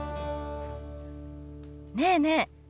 ねえねえ